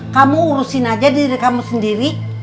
kamu urusin aja diri kamu sendiri